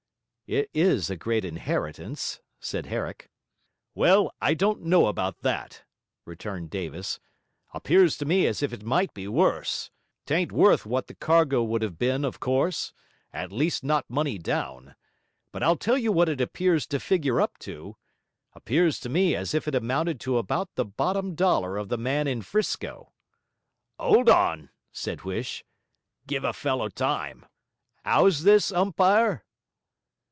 'It is a great inheritance,' said Herrick. 'Well, I don't know about that,' returned Davis. 'Appears to me as if it might be worse. 'Tain't worth what the cargo would have been of course, at least not money down. But I'll tell you what it appears to figure up to. Appears to me as if it amounted to about the bottom dollar of the man in 'Frisco.' ''Old on,' said Huish. 'Give a fellow time; 'ow's this, umpire?'